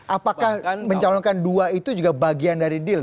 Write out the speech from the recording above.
apakah mencalonkan dua itu juga bagian dari deal